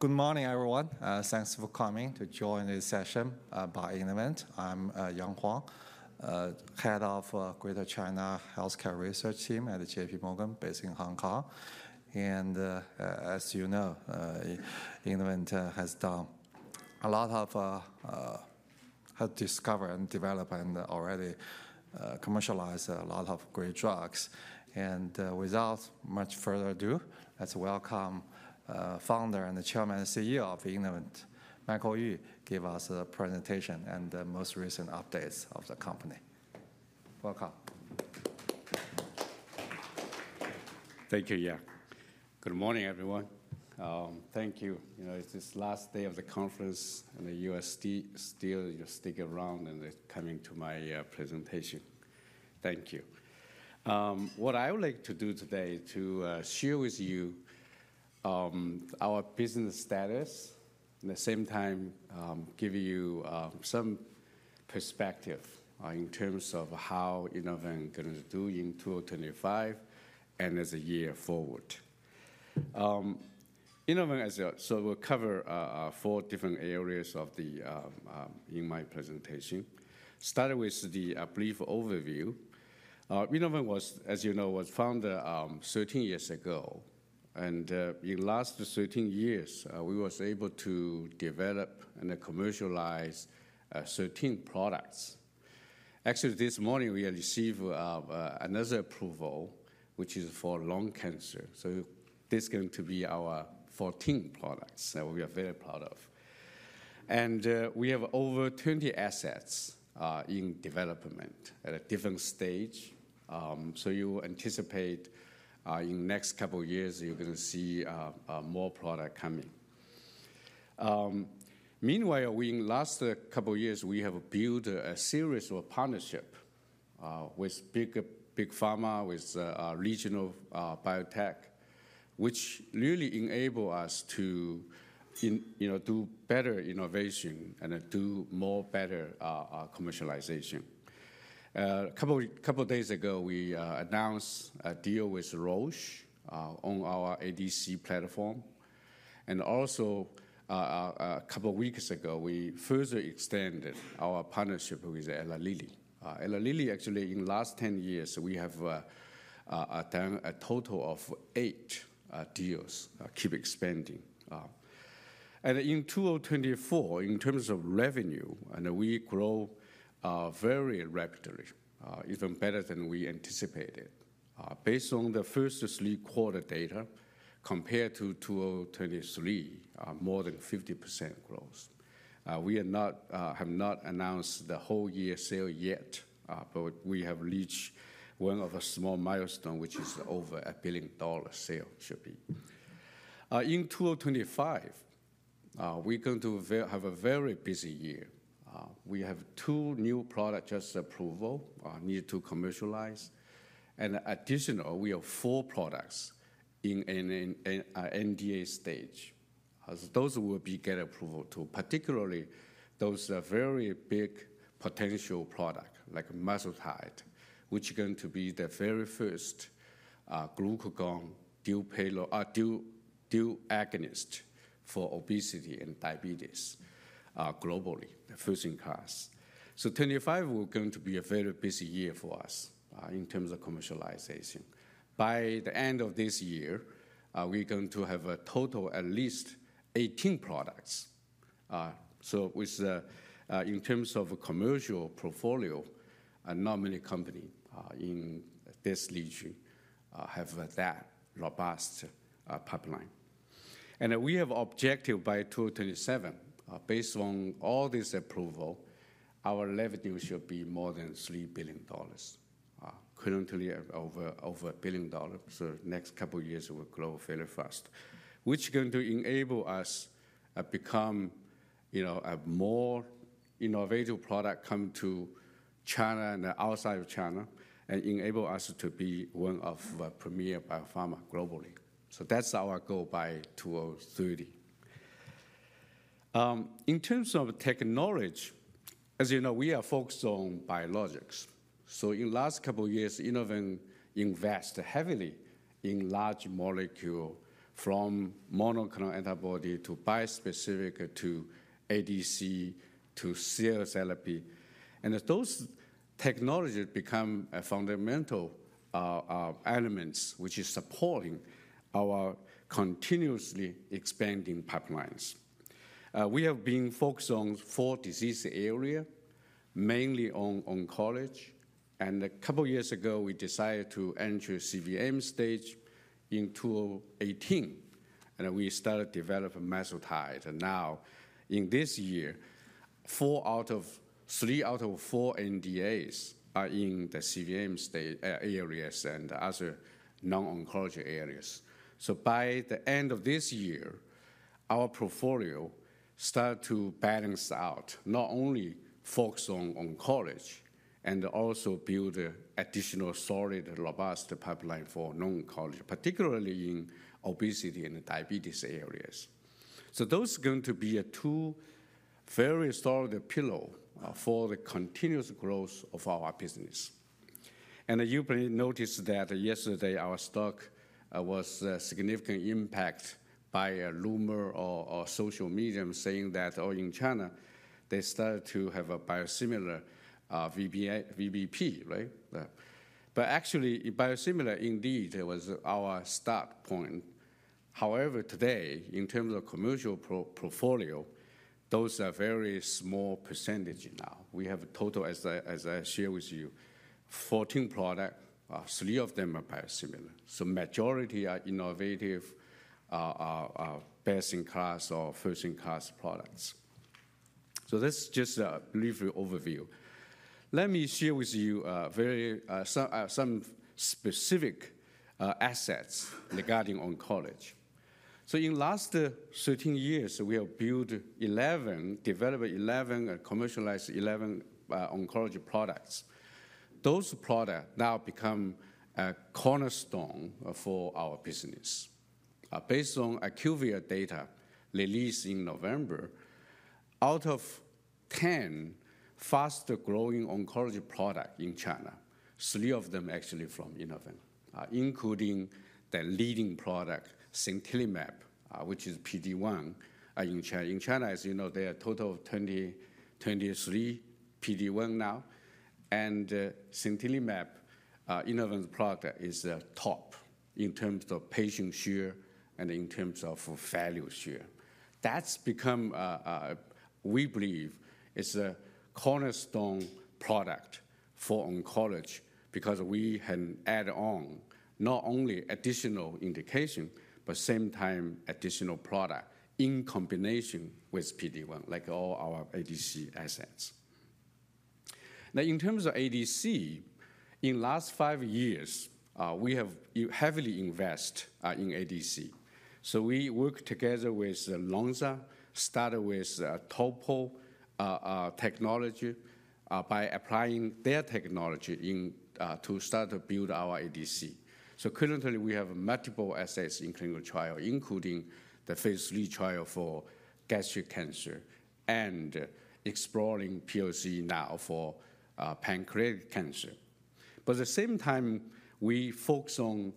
Good morning, everyone. Thanks for coming to join this session by Innovent. I'm Yang Huang, head of the Greater China Healthcare Research Team at JPMorgan, based in Hong Kong, and as you know, Innovent has done a lot of discovery and development, already commercialized a lot of great drugs, and without much further ado, let's welcome the founder and the Chairman and CEO of Innovent, Michael Yu, to give us a presentation and the most recent updates of the company. Welcome. Thank you, Yang. Good morning, everyone. Thank you. You know, it's this last day of the conference, and the U.S. still sticking around, and they're coming to my presentation. Thank you. What I would like to do today is to share with you our business status, and at the same time, give you some perspective in terms of how Innovent is going to do in 2025 and as a year forward. Innovent is a, so we'll cover four different areas in my presentation. Starting with the brief overview, Innovent was, as you know, founded 13 years ago. And in the last 13 years, we were able to develop and commercialize 13 products. Actually, this morning, we received another approval, which is for lung cancer. So this is going to be our 14th product that we are very proud of. And we have over 20 assets in development at a different stage. You anticipate in the next couple of years, you're going to see more products coming. Meanwhile, in the last couple of years, we have built a series of partnerships with big pharma, with regional biotech, which really enabled us to do better innovation and do more better commercialization. A couple of days ago, we announced a deal with Roche on our ADC platform. And also, a couple of weeks ago, we further extended our partnership with Eli Lilly. Eli Lilly, actually, in the last 10 years, we have done a total of eight deals, keep expanding. And in 2024, in terms of revenue, we grew very rapidly, even better than we anticipated. Based on the first three quarters data, compared to 2023, more than 50% growth. We have not announced the whole year sale yet, but we have reached one of the small milestones, which is over $1 billion sale, should be. In 2025, we're going to have a very busy year. We have two new products just approved, need to commercialize. Additionally, we have four products in the NDA stage. Those will be getting approval too, particularly those very big potential products like Mazdutide, which is going to be the very first glucagon dual agonist for obesity and diabetes globally, the first in class. 2025 will be going to be a very busy year for us in terms of commercialization. By the end of this year, we're going to have a total of at least 18 products. In terms of commercial portfolio, not many companies in this region have that robust pipeline. We have an objective by 2027. Based on all this approval, our revenue should be more than $3 billion, currently over $1 billion. The next couple of years will grow very fast, which is going to enable us to bring more innovative products coming to China and outside of China and enable us to be one of the premier biopharma globally. That is our goal by 2030. In terms of technology, as you know, we are focused on biologics. In the last couple of years, Innovent invested heavily in large molecules from monoclonal antibody to bispecific to ADC to cell therapy. Those technologies become fundamental elements, which is supporting our continuously expanding pipelines. We have been focused on four disease areas, mainly on oncology. A couple of years ago, we decided to enter CVM stage in 2018. We started developing Mazdutide. Now, in this year, three out of four NDAs are in the CVM stage areas and other non-oncology areas. By the end of this year, our portfolio started to balance out, not only focus on oncology and also build additional solid, robust pipeline for non-oncology, particularly in obesity and diabetes areas. Those are going to be two very solid pillars for the continuous growth of our business. You probably noticed that yesterday, our stock was significantly impacted by rumors or social media saying that in China, they started to have a biosimilar VBP, right? Actually, biosimilar indeed was our start point. However, today, in terms of commercial portfolio, those are very small percentages now. We have a total, as I shared with you, 14 products, three of them are biosimilar. The majority are innovative, best in class, or first in class products. That's just a brief overview. Let me share with you some specific assets regarding oncology. In the last 13 years, we have built 11, developed 11, commercialized 11 oncology products. Those products now become cornerstones for our business. Based on IQVIA data released in November, out of 10 fast-growing oncology products in China, three of them actually from Innovent, including the leading product, Sintilimab, which is PD-1 in China. In China, as you know, there are a total of 23 PD-1 now. And Sintilimab, Innovent's product, is top in terms of patient share and in terms of value share. That's become, we believe, a cornerstone product for oncology because we can add on not only additional indication, but at the same time, additional product in combination with PD-1, like all our ADC assets. Now, in terms of ADC, in the last five years, we have heavily invested in ADC. So we work together with Lonza, started with Topo Technology by applying their technology to start to build our ADC. So currently, we have multiple assets in clinical trials, including the phase III trial for gastric cancer and exploring PoC now for pancreatic cancer. But at the same time, we focus on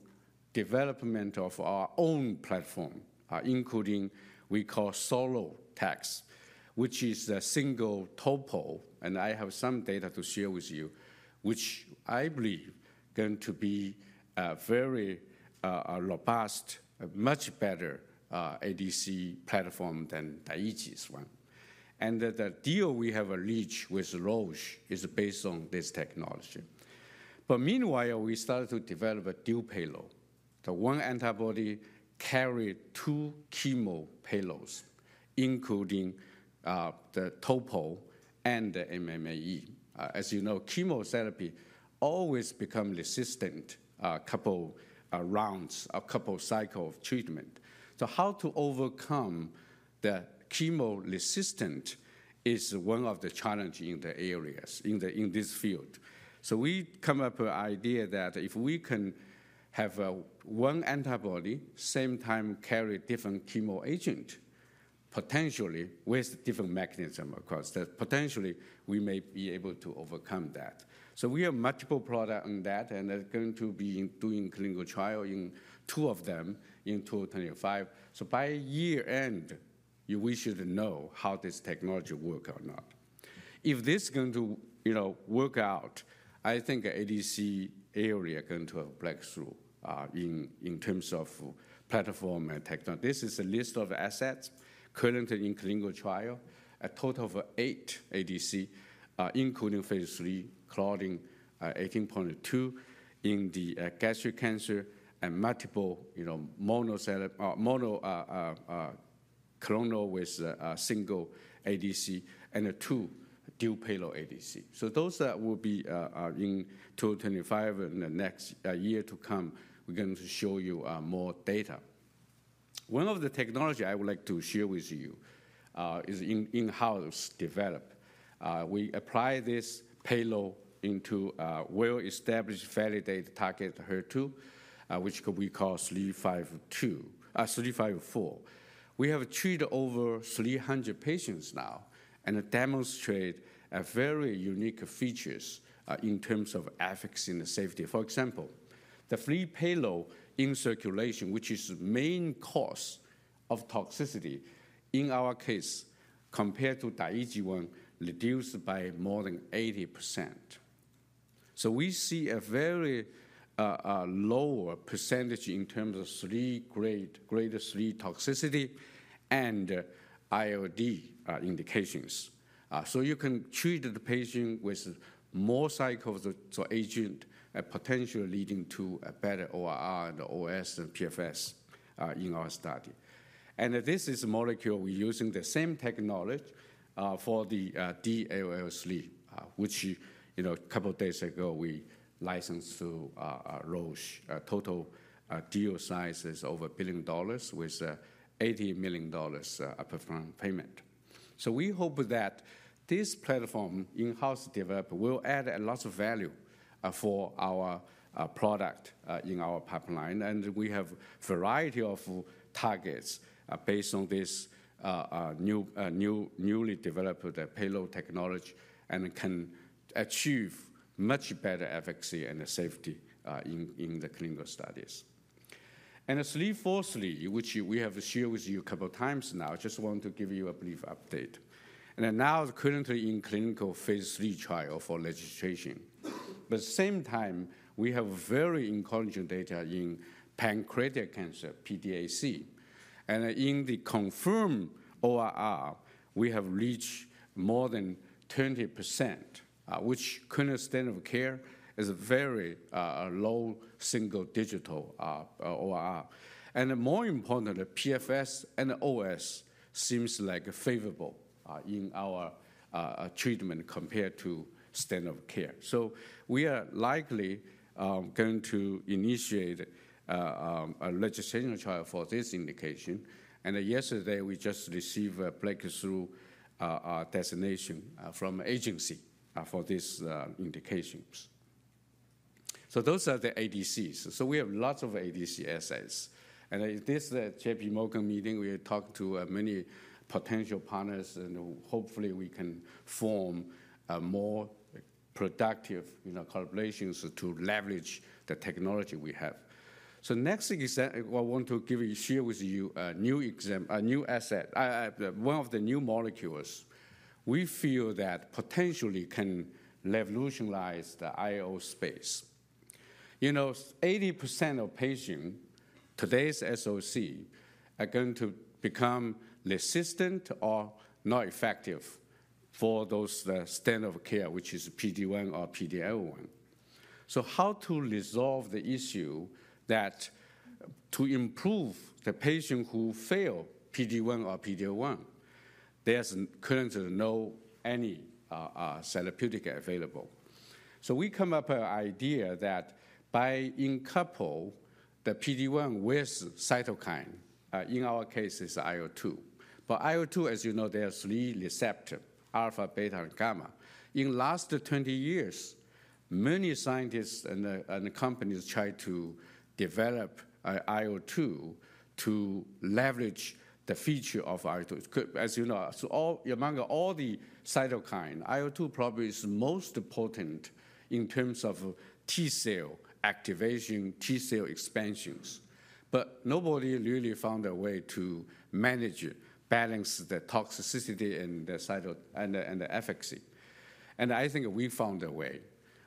the development of our own platform, including what we call SoloTx, which is a single Topo, and I have some data to share with you, which I believe is going to be a very robust, much better ADC platform than the Agis 1. And the deal we have reached with Roche is based on this technology. But meanwhile, we started to develop a dual payload. The one antibody carries two chemo payloads, including the Topo and the MMAE. As you know, chemotherapy always becomes resistant a couple of rounds, a couple of cycles of treatment. So how to overcome the chemo resistance is one of the challenges in the areas, in this field. So we come up with the idea that if we can have one antibody, at the same time, carry different chemo agents, potentially with different mechanisms across, that potentially we may be able to overcome that. So we have multiple products on that, and they're going to be doing clinical trials in two of them in 2025. So by year-end, we should know how this technology works or not. If this is going to work out, I think the ADC area is going to have a breakthrough in terms of platform and technology. This is a list of assets currently in clinical trials, a total of eight ADCs, including phase III, Claudin 18.2 in the gastric cancer and multiple monoclonals with single ADC and two dual payload ADCs. So those will be in 2025 and the next year to come. We're going to show you more data. One of the technologies I would like to share with you is in-house developed. We apply this payload into a well-established validated target HER2, which we call 354. We have treated over 300 patients now and demonstrated very unique features in terms of efficacy and safety. For example, the free payload in circulation, which is the main cause of toxicity in our case, compared to the AG1, is reduced by more than 80%. So we see a very lower percentage in terms of grade 3 toxicity and IO indications. So you can treat the patient with more cycles of agent, potentially leading to a better ORR and OS and PFS in our study. And this is a molecule we're using the same technology for the DLL3, which a couple of days ago, we licensed through Roche. Total deal size is over $1 billion with $80 million upfront payment. So we hope that this platform, in-house developed, will add a lot of value for our product in our pipeline. And we have a variety of targets based on this newly developed payload technology and can achieve much better efficacy and safety in the clinical studies. And IBI343, which we have shared with you a couple of times now, I just want to give you a brief update. And now, currently in clinical phase III trial for registration. But at the same time, we have very encouraging data in pancreatic cancer, PDAC. And in the confirmed ORR, we have reached more than 20%, which current standard of care is a very low single-digit ORR. And more importantly, PFS and OS seem like favorable in our treatment compared to standard of care. So we are likely going to initiate a registration trial for this indication. And yesterday, we just received a breakthrough designation from the agency for this indication. So those are the ADCs. So we have lots of ADC assets. And at this JPMorgan meeting, we talked to many potential partners, and hopefully, we can form more productive collaborations to leverage the technology we have. So next, I want to share with you a new asset, one of the new molecules we feel that potentially can revolutionize the IO space. You know, 80% of patients, today's SOC, are going to become resistant or not effective for those standard of care, which is PD-1 or PD-L1. So how to resolve the issue that to improve the patient who failed PD-1 or PD-L1? There's currently no any therapeutic available. So we come up with an idea that by in-coupling the PD-1 with cytokine, in our case, it's IL-2. But IL-2, as you know, there are three receptors, alpha, beta, and gamma. In the last 20 years, many scientists and companies tried to develop IL-2 to leverage the feature of IL-2. As you know, among all the cytokine, IL-2 probably is most important in terms of T-cell activation, T-cell expansions. But nobody really found a way to manage, balance the toxicity and the efficacy. And I think we found a way,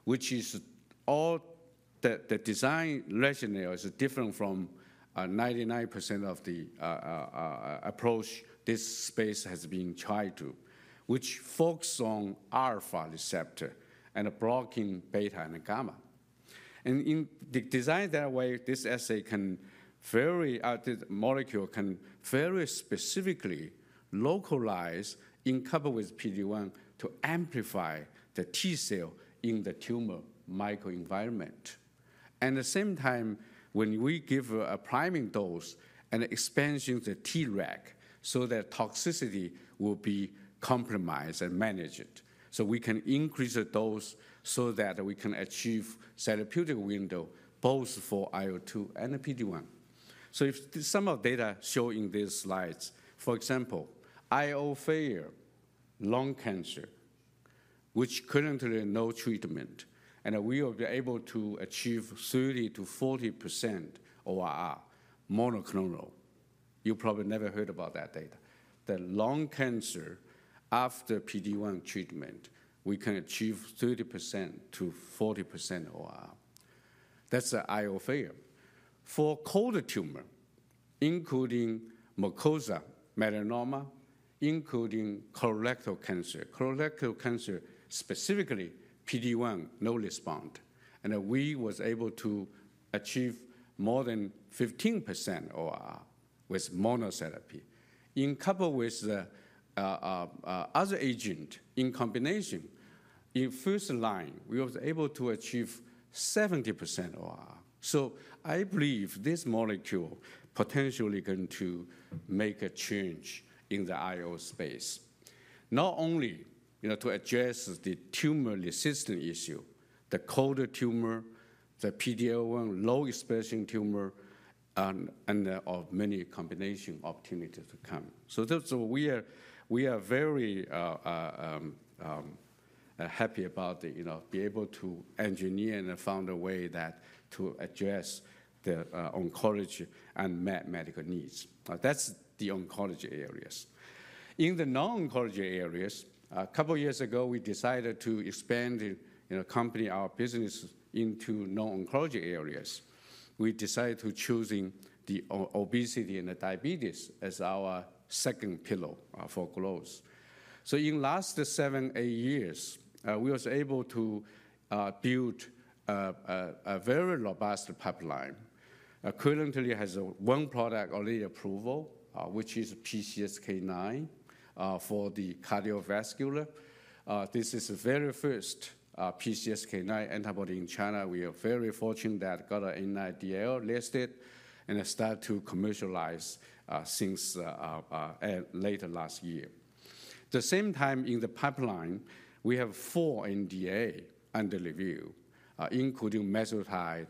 which is all the design rationale is different from 99% of the approach this space has been tried to, which focuses on alpha receptor and blocking beta and gamma. And in the design that way, every molecule can very specifically localize, coupled with PD-1 to amplify the T-cell in the tumor microenvironment. And at the same time, when we give a priming dose and expansion to the T-reg, so that toxicity will be compromised and managed. So we can increase the dose so that we can achieve therapeutic window both for IL-2 and PD-1. So some of the data shown in these slides, for example, IO failure in lung cancer, which currently has no treatment, and we will be able to achieve 30%-40% ORR. You probably never heard about that data. The lung cancer, after PD-1 treatment, we can achieve 30%-40% ORR. That's the IO failure. For cold tumor, including mucosal melanoma, including colorectal cancer, colorectal cancer, specifically PD-1, no response, and we were able to achieve more than 15% ORR with monotherapy. Coupled with the other agent in combination, in first line, we were able to achieve 70% ORR, so I believe this molecule is potentially going to make a change in the IO space. Not only to address the tumor resistance issue, the cold tumor, the PD-1 low-expression tumor, and many combination opportunities to come, so we are very happy about being able to engineer and find a way to address the oncology and medical needs. That's the oncology areas. In the non-oncology areas, a couple of years ago, we decided to expand and accompany our business into non-oncology areas. We decided to choose obesity and diabetes as our second pillar for growth. So in the last seven, eight years, we were able to build a very robust pipeline. Currently, it has one product already approved, which is PCSK9 for the cardiovascular. This is the very first PCSK9 antibody in China. We are very fortunate that got an NDA listed and started to commercialize since late last year. At the same time, in the pipeline, we have four NDA under review, including Mazdutide,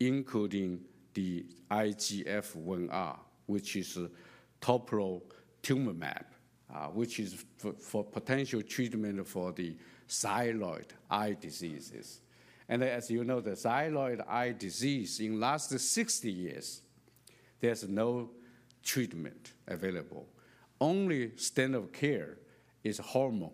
including the IGF-1R, which is Teprotumumab, which is for potential treatment for the thyroid eye diseases. And as you know, the thyroid eye disease, in the last 60 years, there's no treatment available. Only standard of care is hormone,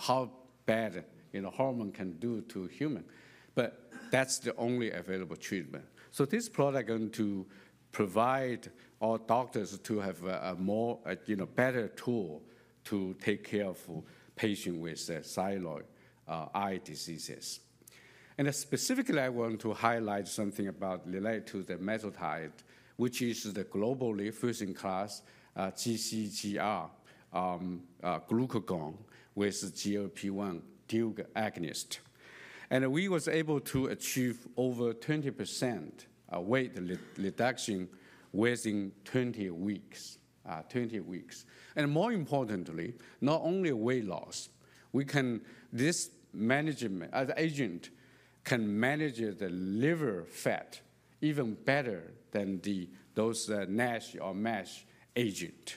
how bad hormone can do to humans. But that's the only available treatment. This product is going to provide our doctors to have a better tool to take care of patients with thyroid eye diseases. Specifically, I want to highlight something related to the Mazdutide, which is the GLP-1 and GCGR dual agonist. We were able to achieve over 20% weight reduction within 20 weeks. More importantly, not only weight loss, this agent can manage the liver fat even better than those NASH or MASH agents.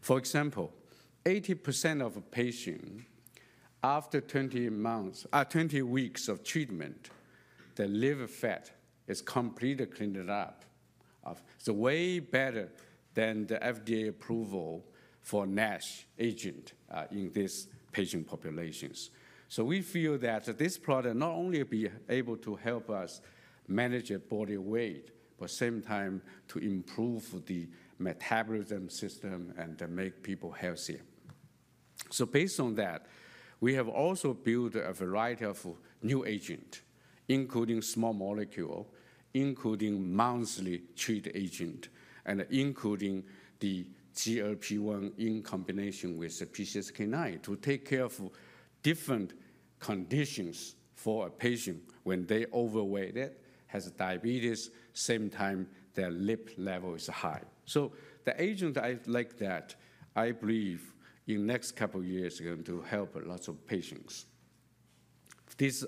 For example, 80% of patients after 20 weeks of treatment, the liver fat is completely cleaned up. It's way better than the FDA approval for MASH agents in these patient populations. We feel that this product not only will be able to help us manage body weight, but at the same time, to improve the metabolism system and make people healthier. So based on that, we have also built a variety of new agents, including small molecules, including monthly treat agents, and including the GLP-1 in combination with the PCSK9 to take care of different conditions for a patient when they're overweight, has diabetes, at the same time their lipid level is high. So the agent I like that, I believe in the next couple of years, is going to help lots of patients. This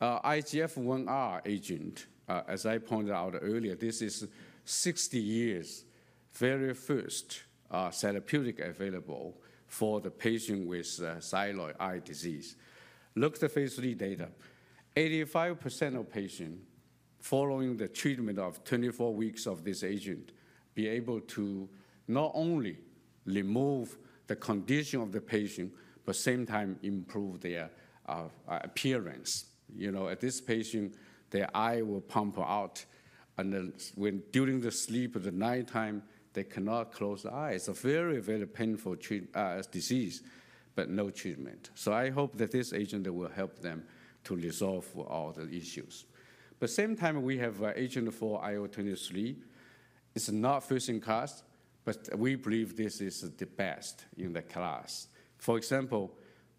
IGF-1R agent, as I pointed out earlier, this is 60 years' very first therapeutic available for the patient with thyroid eye disease. Look at the phase III data. 85% of patients following the treatment of 24 weeks of this agent will be able to not only remove the condition of the patient, but at the same time, improve their appearance. This patient, their eye will pump out during the sleep, the nighttime, they cannot close their eyes. It's a very, very painful disease, but no treatment. So I hope that this agent will help them to resolve all the issues. But at the same time, we have an agent for IL-23. It's not a first-in-class, but we believe this is the best in the class. For example,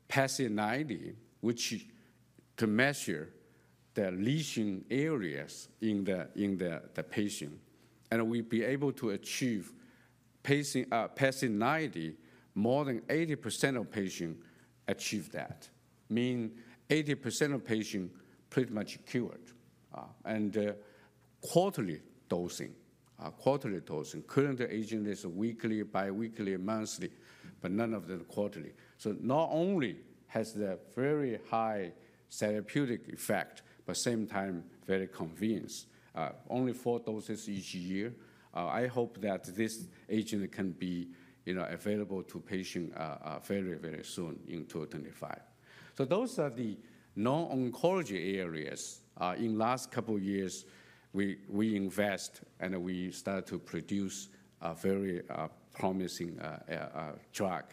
PASI 90, which can measure the lesion areas in the patient. And we'll be able to achieve PASI 90. More than 80% of patients achieve that. Meaning 80% of patients pretty much cured. And quarterly dosing. Quarterly dosing. Current agent is weekly, biweekly, monthly, but none of them quarterly. So not only has the very high therapeutic effect, but at the same time, very convenient. Only four doses each year. I hope that this agent can be available to patients very, very soon in 2025. So those are the non-oncology areas. In the last couple of years, we invest and we started to produce a very promising drug.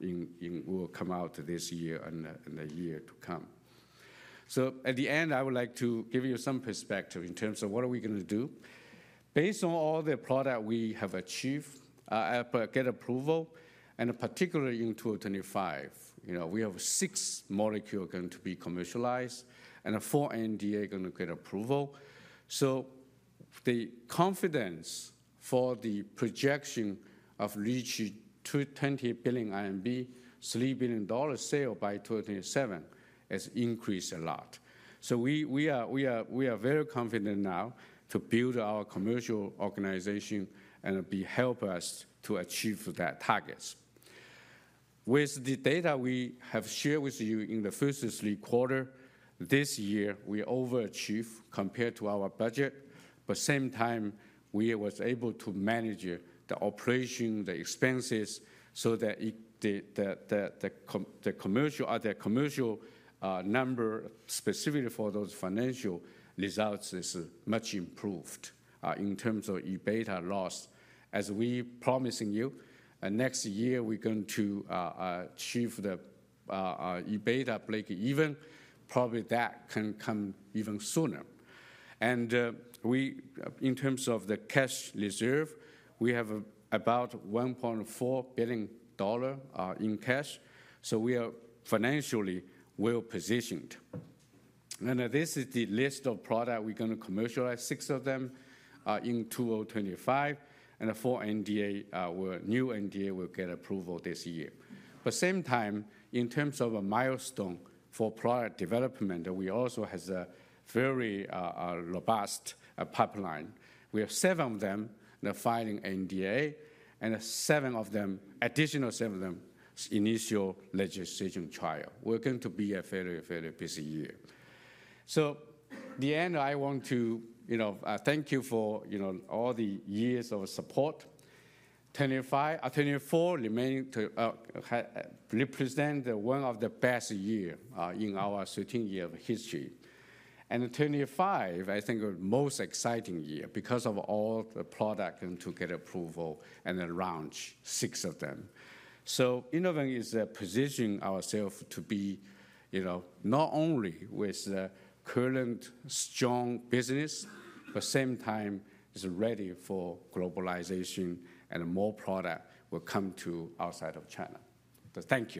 It will come out this year and the year to come. So at the end, I would like to give you some perspective in terms of what are we going to do. Based on all the product we have achieved, get approval. And particularly in 2025, we have six molecules going to be commercialized and four NDAs going to get approval. So the confidence for the projection of reaching 220 billion RMB, $3 billion sale by 2027 has increased a lot. So we are very confident now to build our commercial organization and be help us to achieve that target. With the data we have shared with you in the first three quarters this year, we overachieved compared to our budget. But at the same time, we were able to manage the operation, the expenses, so that the commercial number, specifically for those financial results, is much improved in terms of EBITDA loss. As we promised you, next year, we're going to achieve the EBITDA break-even. Probably that can come even sooner. And in terms of the cash reserve, we have about $1.4 billion in cash. So we are financially well positioned. And this is the list of products we're going to commercialize, six of them in 2025. And the four NDAs, new NDAs will get approval this year. But at the same time, in terms of a milestone for product development, we also have a very robust pipeline. We have seven of them filing NDAs and seven of them, additional seven of them, initial registration trials. It's going to be a very, very busy year. So at the end, I want to thank you for all the years of support. 2024 remains to represent one of the best years in our 13-year history. And 2025, I think, is the most exciting year because of all the products going to get approval and launch, six of them. So Innovent is positioning ourselves to be not only with the current strong business, but at the same time, is ready for globalization and more products will come to outside of China. Thank you.